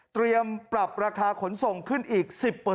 เตรียมปรับราคาขนส่งขึ้นอีก๑๐